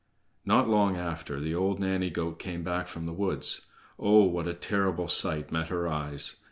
Not long after the old nanny goat came back from the woods. Oh, what a terrible sight met her eyes!